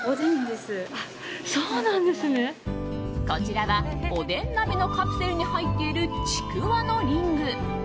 こちらはおでん鍋のカプセルに入っているちくわのリング。